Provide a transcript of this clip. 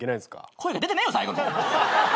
声が出てねえよ最後の方。